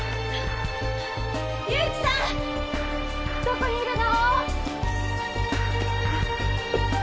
どこにいるの？